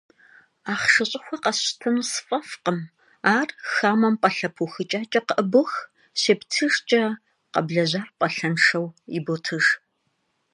Ахъшэ щӏыхуэ къэсщтэну сфӏэфӏкъым: ар хамэм пӏалъэ пыухыкӏакӏэ къыӏыбох, щептыжкӏэ - къэблэжьар пӏалъэншэу иботыж.